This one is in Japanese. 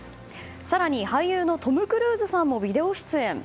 更に俳優のトム・クルーズさんもビデオ出演。